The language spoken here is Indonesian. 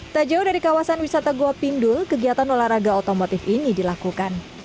tak jauh dari kawasan wisata gua pindul kegiatan olahraga otomotif ini dilakukan